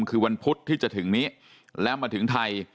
คือวันพุธที่จะถึงนี้และมาถึงไทย